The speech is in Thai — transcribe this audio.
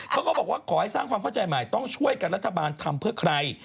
เขาก็บอกว่าขอให้สร้างความเข้าใจใหม่ต้องช่วยกันรัฐบาลทำเพื่อใคร